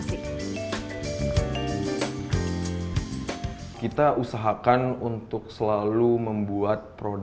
misj merupakan perusahaan yang berhasil mengembangkan kepentingan